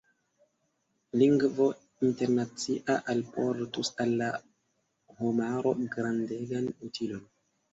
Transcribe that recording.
Lingvo internacia alportus al la homaro grandegan utilon.